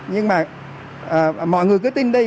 nhưng mà mọi người cứ tin đi